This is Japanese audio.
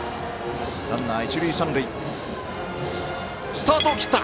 スタートを切った。